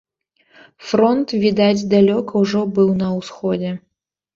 Фронт, відаць, далёка ўжо быў на ўсходзе.